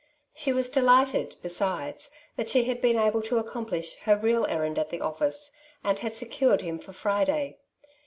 She was delighted, besides, that she had been able to accomplish her real errand at the office, and had secured him for Friday.